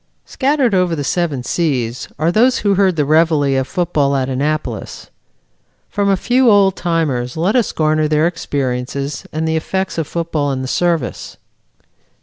Scattered over the seven seas are those who heard the reveille of football at Annapolis. From a few old timers let us garner their experiences and the effects of football in the Service.